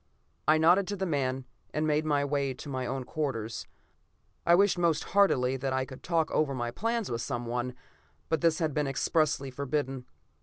I nodded to the man, and made my way to my own quarters. I wished most heartily that I could talk over my plans with someone, but this had been expressly forbidden.